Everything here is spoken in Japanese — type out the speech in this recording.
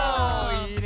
いいね。